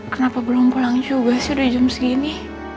kenapa belum pulang juga sih udah jam segini